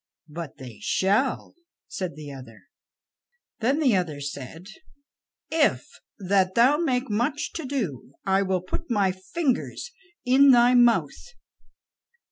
"But they shall," said the other. Then the other said: "If that thou make much to do, I will put my fingers in thy mouth."